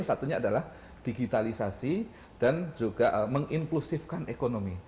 satunya adalah digitalisasi dan juga menginklusifkan ekonomi